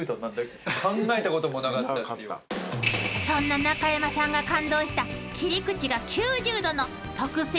［そんな中山さんが感動した］